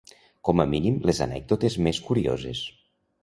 Com a mínim les anècdotes més curioses.